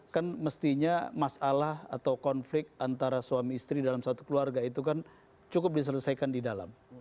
kan mestinya masalah atau konflik antara suami istri dalam satu keluarga itu kan cukup diselesaikan di dalam